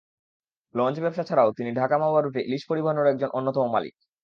Launch ব্যবসা ছাড়াও তিনি ঢাকা-মাওয়া রুটে ইলিশ পরিবহনেরও একজন অন্যতম মালিক।